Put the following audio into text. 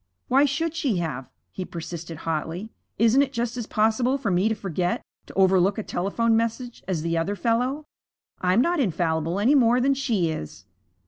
'Why should she have?' he persisted hotly. 'Isn't it just as possible for me to forget, to overlook a telephone message, as the other fellow? I'm not infallible any more than she is.'